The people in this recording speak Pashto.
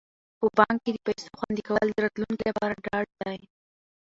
په بانک کې د پيسو خوندي کول د راتلونکي لپاره ډاډ دی.